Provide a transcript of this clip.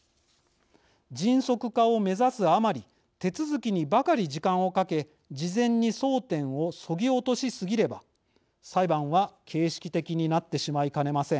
迅速化を目指すあまり手続きにばかり時間をかけ事前に争点をそぎ落としすぎれば裁判は形式的になってしまいかねません。